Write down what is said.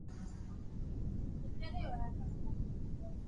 ايم ني ڪرووُ کپي